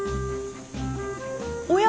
おや？